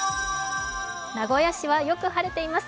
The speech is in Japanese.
名古屋市はよく晴れています。